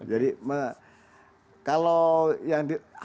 jadi kalau yang di